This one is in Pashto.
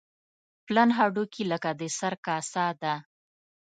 پلن هډوکي لکه د سر کاسه ده.